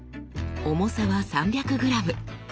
重さは３００ｇ。